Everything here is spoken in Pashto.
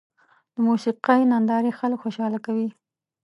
د موسیقۍ نندارې خلک خوشحاله کوي.